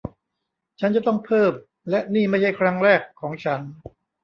ฉันจะต้องเพิ่ม และนี่ไม่ใช่ครั้งแรกของฉัน